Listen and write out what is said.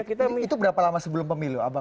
itu berapa lama sebelum pemilu